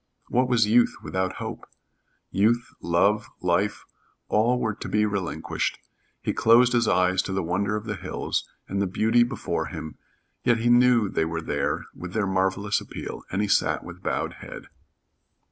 What was youth without hope? Youth, love, life, all were to be relinquished. He closed his eyes to the wonder of the hills and the beauty before him, yet he knew they were there with their marvelous appeal, and he sat with bowed head.